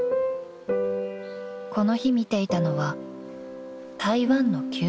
［この日見ていたのは台湾の求人サイト］